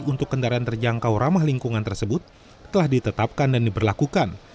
untuk kendaraan terjangkau ramah lingkungan tersebut telah ditetapkan dan diperlakukan